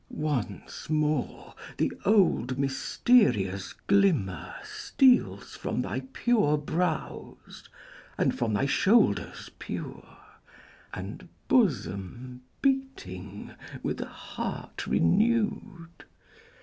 Once more the old mysterious glimmer steals From thy pure brows, and from thy shoulders pure, And bosom beating with a heart renew'd.